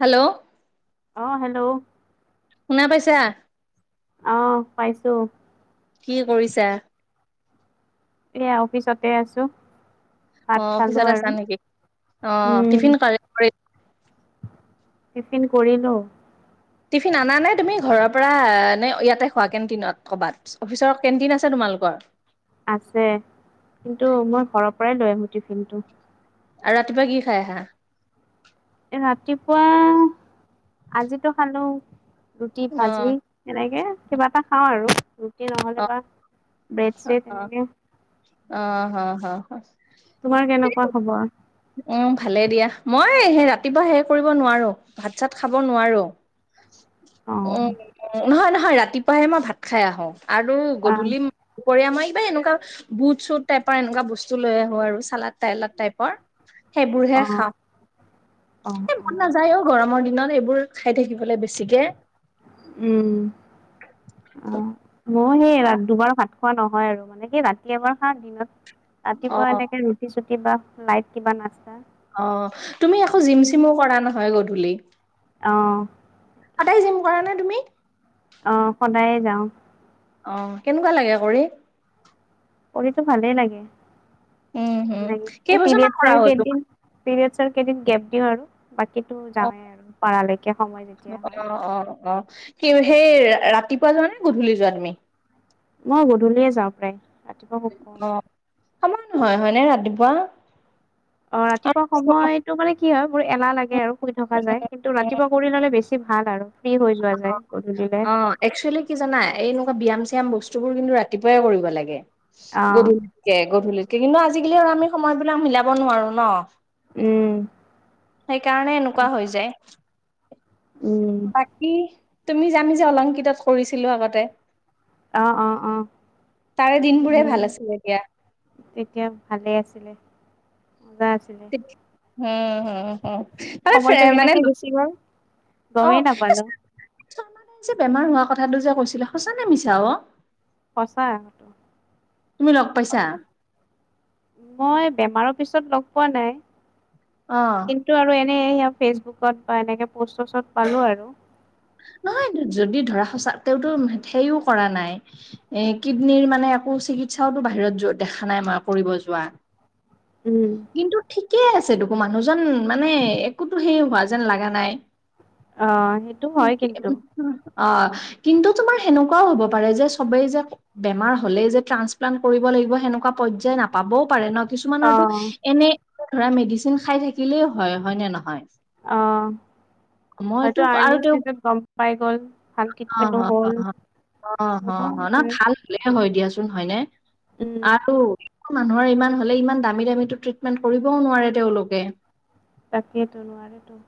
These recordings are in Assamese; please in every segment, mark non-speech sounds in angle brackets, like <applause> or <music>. হেল্ল'! অ হেল্ল'! শুনা পাইছা? আহ পাইছো। কি কৰিছা? এয়া অফিচতে আছো। অ ভাত খালো অফিচত আছা আৰু নেকি অ উম টিফিন টিফিন কৰিলো। টিফিন আনা নে তুমি ঘৰৰ পৰা নে ইয়াতে খোৱা কেণ্টিনত কৰবাত অফিচৰ কেণ্টিন আছে তোমালোকৰ? আছে কিন্তু মই ঘৰৰ পৰাই লৈ আহো টিফিনটো। আৰু ৰাতিপুৱা কি খাই আহা? এ ৰাতিপুৱা আজিটো খালো ৰুটি অ ভাজি সেনেকে। কিবা এটা খাওঁ আৰু ৰুটি নহ'লে বা ব্ৰেড চেড অ এনেকে। অ হ হ। তোমাৰ কেনেকুৱা খবৰ? উম ভালে দিয়া। মই সেই ৰাতিপুৱা হে কৰিব নোৱাৰো ভাত, চাত খাব নোৱাৰো। অ <inaudible> উ নহয় নহয় ৰাতিপুৱাহে, মই ভাত খাই আহো আৰু অ গধূলি দুপৰীয়া মই কিবা এ এনেকুৱা বুট, চুট টাইপৰ এনেকুৱা বস্তু লৈ আহো আৰু চালাদ টালড টাইপৰ। সেইবোৰহে অ খাওঁ। অ অ এ মন নাযায় অ গৰমৰ দিনত এইবোৰ খাই থাকিবলৈ বেছিকে। উম। আঁহ। মই সেই ৰা দুবাৰ ভাত খোৱা নহয় আৰু মানে সেই ৰাতি এবাৰ খাওঁ দিনত অ ৰাতিপুৱা এনেকে ৰুটি চুটি বা লাইট কিবা নাচ অ তুমি আকৌ জিম চিমো কৰা নহয় গধূলি। অহঁ। সদাই জিম কৰা নে তুমি? অ সদায়ে যাওঁ। অ কেনেকুৱা লাগে কৰি? কৰিটো ভালেই লাগে, উম এ হম কেইবছৰ মান কৰা পিৰিয়েডচৰ হ'ল তোমাৰ কেইদিন পিৰিয়েডচৰ কেইদিন গেপ দিওঁ আৰু। বাকিটো অ যাওঁৱেই আৰু পাৰালৈকে সময় যেতিয়া হয়। সেই সেই ৰাতিপুৱা যোৱা নে গধূলি যোৱা তুমি? মই গধূলিয়ে যাওঁ প্ৰায় ৰাতিপুৱা খুব কম। অ সময় নহয় হয়নে ৰাতিপুৱা? অ ৰাতিপুৱা সময়তটো মানে কি হয়, মোৰ এলাহ লাগে আৰু, শুই থকা যায়, কিন্তু ৰাতিপুৱা কৰি ললে বেছি ভাল আৰু। ফ্ৰী হৈ যোৱা যায় গধূলিলে অ একচুৱেলি কি জানা এইনেকুৱা ব্যয়াম চি য়াম বস্তু বোৰ কিন্তু ৰাতিপুৱাই কৰিব লাগে। অঁ গধূলিতকে গধূলিতকে কিন্তু আজিকালি আৰু আমি সময় বিলাক মিলাব নোৱাৰো ন? উম সেইকাৰণে এনেকুৱা হৈ যায়। উম। বাকী তুমি যামি যে অলংকিতত কৰিছিলো আগতে? আহ অ আহ তাৰে দিনবোৰে উম। ভাল আছিলে দিয়া। তেতিয়া ভালে আছিলে। দাৰছিলে। উম হম হম। ম <unintelligible> মানে কেনেকে গুচি গ'ল গমেই অ- নাপালো মানে যে বেমাৰ হোৱা কথাটো যে কৈছিলে সঁচা নে মিছা অ? সঁচা তুমি লগ পাইছা মই বেমাৰত পিছত লগ পোৱা নাই, অ কিন্তু আৰু এনে সে ফেচবুকত বা এনেকে পষ্ট টচত পালো আৰু। নহয় যদি ধৰা সচা তেওঁটো সেইও কৰা নাই এ কিডনিৰ মানে একো চিকিৎসাও বাহিৰত দেখা নাই মই কৰিব যোৱা। উম কিন্তু ঠিকেই আছে দেখো মানুহজন মানে একোতো সেই হোৱা যেন লগা নাই। অ সেইটো হয় কিন্তু। অ কিন্তু তোমাৰ সেনেকুৱাও হ'ব পাৰে যে সবেই যে বেমাৰ হলে যে ট্ৰান্সপ্লান কৰিব লাগ লিব সেনেকুৱা পৰ্যায় নাপাবও পাৰে ন অ কিছুমানৰতো এনে ধৰা মেডিচিন খাই থাকিলেও হয় হয় নে নহয়? অ মইতো হয়টো আৰু আৰ্লিং তেওঁ চিজত গম পাই গ'ল। ভাল অ ট্ৰিটমেন্টো হ'ল অ অ এনেকুৱা হ'ব অ না পাৰে ভাল হলে হয় দিয়াচোন। হয় নে? উম আৰু। মানুহৰ ইমান হলে ইমান দামী দামী ট্ৰিটমেন্ট কৰিবও নোৱাৰে তেওঁলোকে? তাকেইেতো নোৱাৰেতো।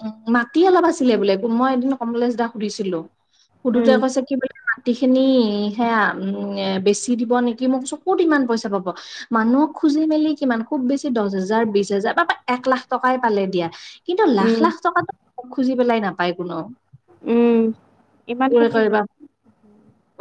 উ উ মাটি অলপ আছিলে বোলে মই এদিন কমলেশদাক সুধিছিলো। সুধোতে উম কৈছে কি বুলি মাটি খিনি সেয়া উম বেচি দিব নেকি? মই কৈছোঁ কত ইমান পইচা পাব? মানুহ খুজি মেলি কিমান খুব বেছি দহ হোজাৰ বিশ হোজাৰ বা এক লাখ টকাই পালে দিয়া কিন্তু লাখ উম লাখ টকাতটো খুজি পেলাই নাপায় কোনো। উম ইমানখিনি জো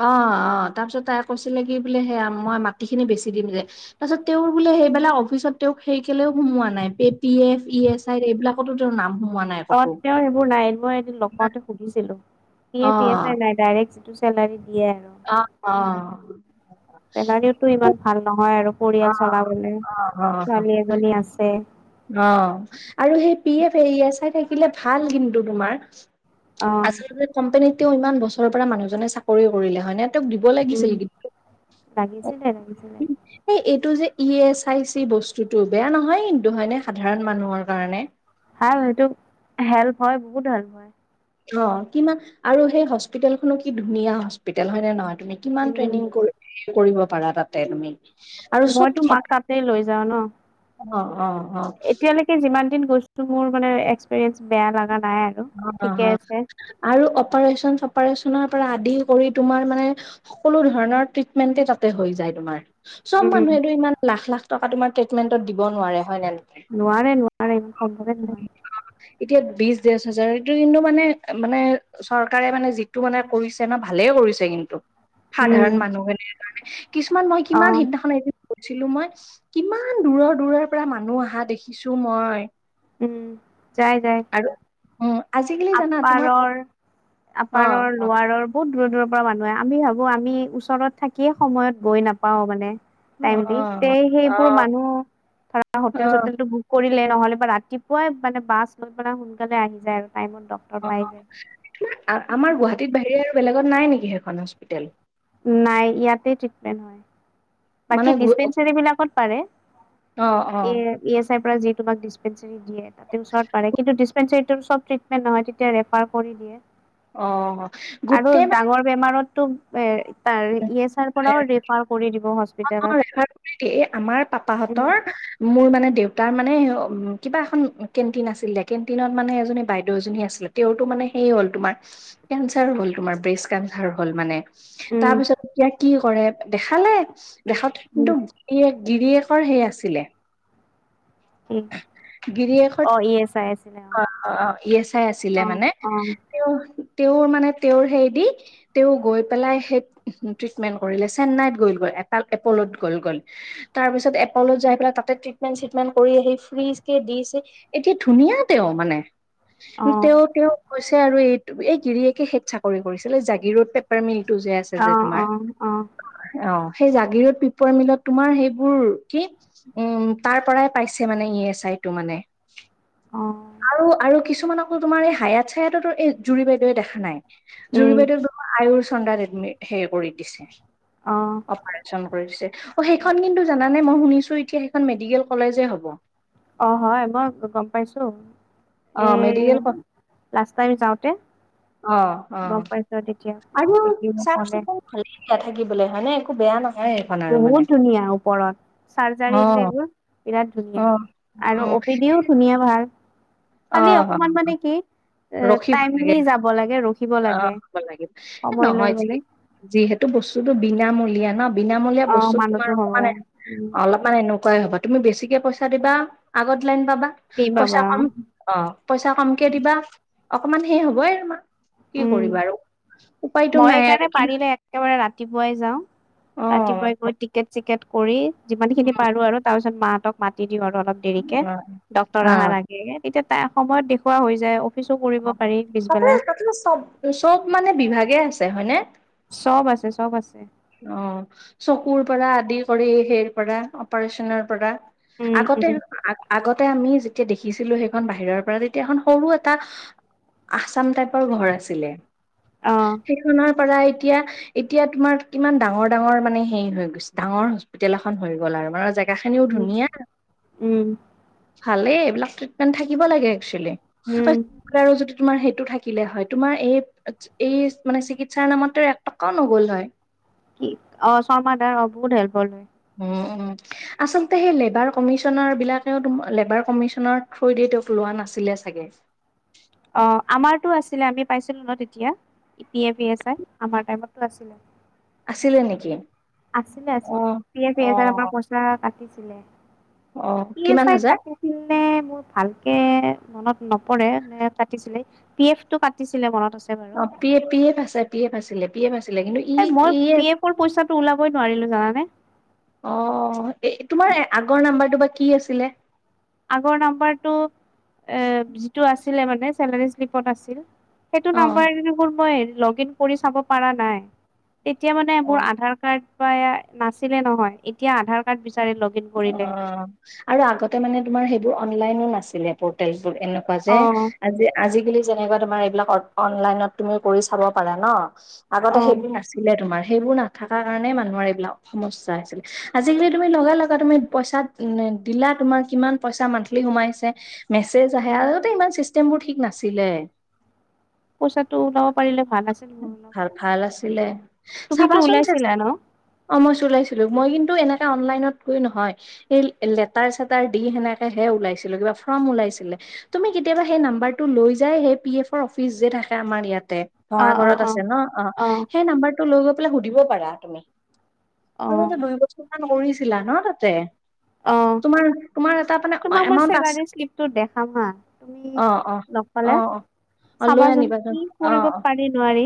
অ অ তাৰ পিছত তাই কৈছিলে কি বোলে সেয়া মই মাটি খিনি বেচি দিম যে তাৰপিছত তেওঁৰ বোলে সেইবিলাক অফিচত তেওঁক সেই কেলেও সোমোৱা নাই প P F E S I এইবিলাকতো তেওঁৰ নাম সোমোৱা নাই অ ক'তো। তেওঁ সেইবোৰ নাই মই এদিন লগ পাওঁতে সুধিছিলো। প এ অ', প নাই ডাইৰেক চেলাৰি। অ অ। চেলাৰীওতো ইমান ভাল নহয় আৰু অ', পৰিয়াল চলাবলৈ অ', অ', অ'। ছোৱালী এজনী আছে। অ আৰু সেই পি এফ এৰিয়া চাই থাকিলে ভাল কিন্তু তোমাৰ। অ আচল কোম্পনীতও ইমান বছৰৰ পৰা মানুহজনে চাকৰি কৰিলে হয় নে? দিব উম লাগিছিল কিন্তু। লাগিছিলে লাগিছিলে এইটো যে ই এচ আই চি বস্তুতটো বেয়া নহয় কিন্তু হয়নে সাধাৰণ মানুহৰ কাৰণে। ভাল সেইটো, হেল্প হয় বহুত ভাল হয়। অ' কিমান, আৰু সেই হস্পিতেলখনো কি ধুনীয়া হস্পিতেল হয় নে নহয়? তুমি কিমান উম ট্ৰেইনিং কৰিব পাৰা তাতে তুমি? আৰু চব মইতো মাক তাতে লৈ যাওঁ ন? অ' অ'। এতিয়ালেকে যিমান দিন গৈছো, মোৰ মানে এক্সপেৰিয়েন্স বেয়া লগা নাই আৰু অ' ঠিকে আছে অ'। আৰু অপাৰেচন-চপাৰেচন? পৰা আদি কৰি তোমাৰ মানে, সকলোধৰণৰ ট্ৰিটমেন্টে তাতে হৈ যায় তোমাৰ। চব উম মানুহেটো ইমান লাখ লাখ টকা তোমাৰ ট্ৰিটমেণ্টত দিব নোৱাৰে হয় নে নহয়? নোৱাৰে নোৱাৰে। ইমান সম্ভৱে নহয়। এতিয়া বিজ এইটো কিন্তু মানে, মানে চৰকাৰে মানে যিটো মানে কৰিছে। ভালে কৰিছে কিন্তু! সাধাৰণ উম মানুহখিনিৰ কাৰণে, কিছুমান মই অ কিমান সেইদিনাখনো এদিন কৈছিলো মই, কিমান দূৰৰ দূৰৰ পৰা মানুহ অহা দেখিছো মই! উম। যাই যাই আৰু উম, আজি আপাৰৰ, অ আপাৰৰ, অ লোৱাৰৰ বহুত দূৰত দূৰৰ পৰা মানুহ আহে। আমি ভাবো আমি ওচৰত থাকিয়ে সময়ত গৈ নাপাও মানে! টাইম অ দি, তে অ সেইবোৰ মানুহ ধৰা অ হোটেল-চোটেলটো বুক কৰি নহ'লে বা ৰাতিপুৱাই মানে, বাছ মানে সোনকালে আহি যায় আৰু! টাইমত ডক্তৰ পাই যায় অ' আমাৰ গুৱাহাটীত বাহিৰে আৰু বেলেগত নাই নেকি সেইখন হস্পিতেেল? নাই ইয়াতে ট্ৰিটমেণ্ট হয়। বাকী মানে গু ডিচপেৰেনচিবিলাকত পাৰে। অ', অ', ই-এছ-আইৰ পৰা যি তোমাক এই <unintelligible> দিয়ে, তাতে ওচৰত পাৰে। কিন্তু ডিচপেৰেন্সীতটো চব ট্ৰিটমেন্ট নহয়, তেতিয়া ৰেফাৰ কৰি দিয়ে। অ', আৰু গোটেই মানে ডাঙৰ বেমাৰত টো এ তাৰ ই-এছৰ পৰাও ৰেফাৰ কৰি দিব। অ' হস্পিতেলত অ' ৰেফাৰ কৰি দিয়ে। আমাৰ উম পাপাহঁতৰ মোৰ মানে দেউতাৰ মানে, উ কিবা এখন কেণ্টিন আছিলে, কেণ্টিনত মানে এজনী বাইদেউ এজনী আছিলে তেওঁতো মানে সেই হ'ল তোমাৰ, কেঞ্চাৰো হ'ল তোমাৰ। ব্ৰেষ্ট কেঞ্চাৰ হ'ল মানে তাৰ উম পিছত এতিয়া কি কৰে, দেখালে। দেখাতে উম কিন্তু গিৰিয়েকৰ সেই আছিলে। উম। গিৰিয়েকৰ অ' অ' ই-এছ-আই আছিলে মানে। অ তেওঁ তেওঁৰ মানে তেওঁৰ হেইদি, তেওঁ গৈ পেলাই সেই ট্ৰিটমেন্ট কৰিলে। চেন্নাইত গৈলগৈ। এপ'লত গ'ল গ'ল। তাৰ পাছত এপ'লত যাই পেলাই তাতে ট্ৰিটমেন্ট-চিটমেন কৰি আহি ফ্ৰি দিছে। এতিয়া ধুনীয়া তেওঁ মানে। অ তেওঁ, তেওঁ কৈছে আৰু এইটো এই গিৰিয়েকে শেষ চাকৰি কৰিছিলে। জাগিৰোড পেপাৰ মিল টো যে আছে অ অ যে তোমাৰ। অ অ অ'। সেই জাগিৰোড পিপাৰ মিলত তোমাৰ সেইবোৰ কি, উম তাৰ পৰাই পাইছে মানে ই-এছ-আই। টো মান, অ আৰু আৰু কিছুমান আকৌ তোমাৰ এই হায়াত-চায়াততো, এই জুৰি বাইদেৱে দেখা নাই। জুৰি উম বাইদেউ দেখোন আয়োছ চন্দাত এডমিট সেই কৰি দিছে। অ অপাৰেশ্যন কৰি দিছে। অ' সেইখন কিন্তু জানানে? মই শুনিছো এতিয়া সেইখন মেডিকেল কলেজে হ'ব। অ' হয়, মই গম পাইছো। অ এ মেডিকেল ক লাষ্ট টাইম যাওঁতে। অ' অ' গম পাইছো তেতিয়া আৰু দেখিব কলে চাফ-চিকুণ ভালে দিয়া থাকিবলৈ। হয়নে? একো বেয়া নহয়। সেইখন আৰু মানে। বহুত ধুনীয়া ওপৰত। চাৰ্জাৰী অ যে এইবোৰ বিৰাট ধুনীয়া। অ আৰু অ অপিডিও ধুনীয়া ভাল। অ খালি অকমান মানে কি এ ৰখিব লাগে টাইমলি যাব লাগে। ৰখিব অ' লাগে হ'ব লাগিব। এ সময় লৈ নহয় গলে যি-যিহেতু বস্তুটো বিনামূলীয়া ন বিনামূলীয়া অ বস্তুত তোমাৰ মানুহতো অকমান হবই অলপমান এনেক কোৱাই হব তুমি বেছিকে পইচা দা আগত লাইন পাবা, ফ্ৰী পইচা পাবা কম অ পইচা কমকে দিবা অকমান সেই হবই আৰুমাক কি উম কৰিবা আৰু উপায়তটো মই নাই আৰু এইকাৰণে কিম পাৰিলে একেবাৰে ৰাতিপুৱাই যাওঁ, ৰাতিপুৱাই গৈ টিকেট চিকেট কৰি যিমান খিনি পাৰো আৰু তাৰপিছত মাত মাতি দিওঁ আৰু অলপ দেৰিকে অ ডক্তৰ অহাৰ আগে আগে, তেতিয়া ত সময়ত দেখুওৱা যায় পিছু কৰিব পাৰি তাতে পিছবেলা তাতে চব চব মানে বিভাগে আছে হয়নে চব আছে চব আছে। অ চকুৰ পৰা আদি কৰি সেইৰ পৰা অপাৰচনৰ পৰা উম আগতে উম আগতে তে আমি যেতিয়া দেখিছিলো সেইখন বাহিৰৰ পৰা তেতিয়া এখন সৰু এটা আছাম টাইপৰ ঘৰ আছিলে। অ সেইখনৰ পৰা এতিয়া এতিয়া তোমাৰ। ইমান ডাঙৰ ডাঙৰ মানে হেৰি হৈ গৈছে ডাঙৰ হস্পিটেল এখন হৈ গ'ল আৰু মানে জ। জো খিও উম ধুনীয়া, উম ভালেই এইবিলাক ট্ৰিটমেন্ট থাকিব লাগে। ছিলে। উম তোমাৰ সেইটো থাকিলে হয় তোমাৰ এই এই মানে চিকিৎসাৰ নামত এক টকাও নগ'ল হয়। কি অ শৰ্মা দাৰ অ বহুত হেল্পৰ লয়। উ উ আচলতে সেই লেবাৰ কমিশনৰ বিলাকেও লেবাৰ কমিশনৰ থ্ৰ। তেওঁক লোৱা নাছিলে চাগে। আছিল আমি পাইছিলো ন তেতিয়া, ই পি এফ এ আমাৰ টাইমত আছিল। আছিলে নেকি? আছিলে অ আছিলে পাজ অ পাজ আমাৰ পচলা কাটিছিলে। অ কিমান চাই হাজাৰ কাটিছিল নে মোৰ ভালকে। মনত নপৰে ন কাটিছিলে পি এফ টো কাটিছিলে মনত আছে। বাৰু অ পিয়ে পিয়ে ফাচছে পিয়ে ফাছিলে পিয়ে ফাচ। মই পি এফৰ পইচাটো ওলাবই নোৱাৰিলো জানানে। অ এ তোমাৰ আগৰ নাম্বাৰটো বা কি আছিলে। যি আ্ আ। সেইটো অ'। নাম্বাৰ মোৰ মই লগ ইন কৰি চাব পা নাই। তেতিয়া মানে মোৰ অ', আধাৰ কাৰ্ড বা এ নাছিলে নহয় এতিয়া আধাৰ কাৰ্ড। বিচাৰি লগ ইন অ কৰিলে আৰু আগতে মানে তোমাৰ সেইবোৰ অনলাইনো নাছিলে পৰ্টেল। এনেকুৱা যে অ আজি আজিকালি। তমাৰ এইবিলাক অনলাইনত তুমি কৰি চাব পাৰা ন, অ আগতে সেইবোৰ নাছিলে তোমাৰ। সেইবোৰ নাথাক কাৰণে মানুহৰ এইবিলাক সমস্যা আছিলে, আজিকালি তুমি লগা লগ। <unintelligible> চিষ্টেমবোৰ ঠিক নাছিলে। পইচাটো ওলাব পাৰিলে ভাল আছিল মোৰ অলপ। বোলে তুমিতো চাবা চূণ, ওলাইছিলা ন অ মই চো মই কিন্তু এনেলনত। নহয়, এই লেটাৰ চেটাৰ দি সেনেকে হে ওলাইছিলো কিবা ফ্ৰৰ্ম উওলাইছিলে তুমি। কেতিয়াবা সেই নাম্বাৰটো লৈ যায় সেই পি এফৰ অফিচ যে থাকে আমাৰ ইয়াত। অ অ ভঙাগৰত অ আছে ন অ সেই নাম্বাৰটো লৈ গৈ পাই সুধিব পাৰা তুমি। অ তুমি দুহ বছৰান উৰিছিলা ন তাতে। অ, তোমাৰ তোমাৰ এটা মানে তোমাক মই এমাউন্ট আছে চেলাৰী শ্লিপটো দেখাম হা তুমি। অ অ অ নকালে, অ লৈ চাবাচোন আনিবাচোন কি অ অ কৰিব পাৰি নোৱাৰি।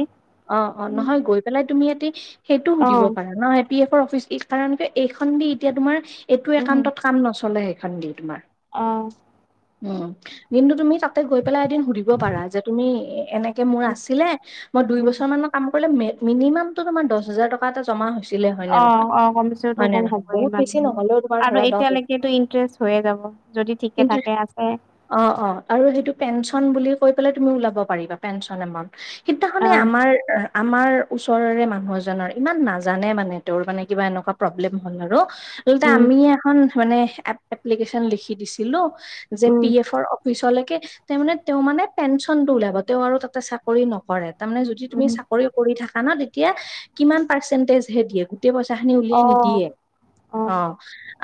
অ অ উম, নহয় গৈ পেলাই তুমি ইয়াতে, সেইটো অ সুধিব পাৰা ন পি এফৰ অফিচ এই কাৰণে। এইখন দি এতিয়া তোমাৰ এইটো একাউটত কাম নচলে সেইখন দি তোমাৰ। আহ। উম দিনটো তুমি তাতে গৈ পেলাই এদিন সুধিব পাৰা যে তুমি এনেকে মোৰ উম আছিলে। মই দুই উম বছৰ মান কাম কৰিলে মিনিমামটো তোমাৰ দচ হেজাৰ টকা এটা জমা হৈছে। অহ - অহ কমিছনটো কম হ'বয়ে বহুত বেছি নহ'লেও তোমাৰ আৰু ধৰা দহ এতিয়ালৈকো ইন্টাৰেষ্ট হৈয়ে যাব। যদি ঠিকে থাকে আছে। অহ - অহ আৰু সেইটো পেন পেঞ্চন বুলি কৈ পেলাই তুমি ওলাব পাৰিবা পেঞ্চন এমাউন্ত অ সেইদনাখনে আমাৰ আমাৰ ওচৰৰে মানুহ এজনৰ ইমান নাজানে মানে তেওঁৰ মানে কিবা এনেকুৱা প্ৰব্লেম হ'ল আৰু উল্টাই উম আমিয়ে এখন মানে এ- এপ্লিকেশচন লিখি দিছিলো। যে উম পি এফৰ অফিচলে তেওঁ মানে- তেওঁ মানে পেঞ্চন টো উলাব তেওঁ আৰু তাতে চাকৰি নকৰে। তাৰমানে যদি তুমি উম চাকৰি কৰি থাকা না তেতিয়া কিমান পাৰ্চেন্টেজ হে দিয়ে গোটেই পইচা খিনি উলিয়াই অ নিদিয়ে। অ অহ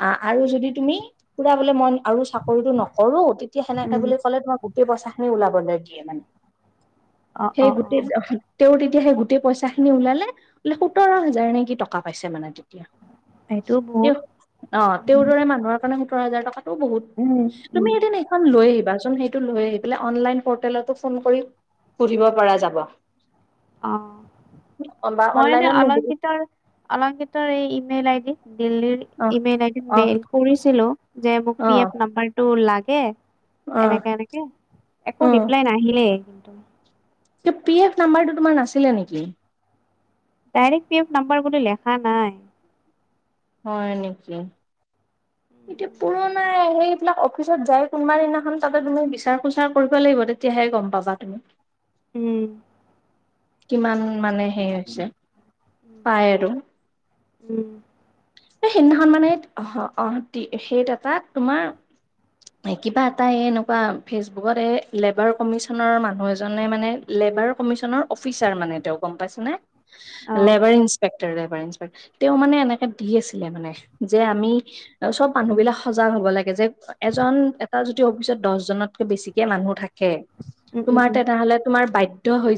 আ, আৰু যদি তুমি পুৰা বোলে মই আৰু চাকৰিটো নকৰো তেতিয়া সেনেকে উম বুলি ক'লে তোমাৰ গোটে পইচা খিনি ওলাবলৈ দিয়ে মানে। অ', - অ', - অ',। <unintelligible> তেওঁ দিন তেতিয়া সেই গোটেই পইচা খিনি ওলালে বোলে সোতৰ -হাজাৰ নেকি টকা পাইছে মানে তেতিয়া। সেইটো বহুত তেওঁ অহ তেওঁৰ উম দৰে মানুহৰ কাৰণে সোতৰ হাজাৰ টকা ত' বহুত উম তুমি উম এদিন হেখন লৈ আহিবা <unintelligible> সেইটো লৈ আহি পেলাই অনলাইন পৰ্টেলতো ফোন কৰি সুধিব পৰা যাব। অ', বা মই এনে অনলাইনত নুসুধি অলংকিতাৰ -অলংকিতাৰ এই ইমেইল আইডি দিল্লীৰ অ ইমেইল আইডিত অ মেইল কৰিছিলো যে মোক অ পি এফ নাম্বাৰটো লাগে অ এনেকে -এনেকে একো ৰিপ্লাই নাহিলেই কিন্তু টো পি এফ নাম্বাৰটো তোমাৰ নাছিলে নেকি? ডাইৰেক্ট পি এফ নাম্বাৰ কোনো লেখা নাই। হয় নেকি। এতিয়া পুৰণা সেইবিলাক অফিচত যাই কোনোবা দিনাখন তাতে তুমি বিচাৰ - হোচাৰ কৰিব লাগিব তেতিয়াহে গম পাবা তুমি। উম কিমান মানে হেই হৈছে উম পাই আৰু। উম এ 'সেইদিনাখন মানে অহ -অহ সেইত এটা তোমাৰ কিবা এটা এই এনেকুৱা ফেচবুকত এই লেবাৰ কমিশনৰ মানুহ এজনে মানে লেবাৰ কমিছনৰ অফিচাৰ মানে তেওঁ গম পাইছ নে অ লেবাৰ ইনচপেক্টৰ -লেবাৰ ইনচপেক্টৰ তেওঁ মানে এনেকে দি আছিলে মানে যে আমি চব মানুহ বিলাক সজাগ হব লাগে যে এজন এটা যদি এটা অফিচত যদি দচজনতকে বেছি কৰে মানুহৰ থাকে উম উম তোমাৰ উম তেনেহলে তোমাৰ বাধ্য হৈ যা